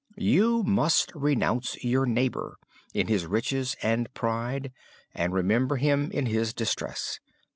You must renounce your neighbor, in his riches and pride, and remember him in his distress.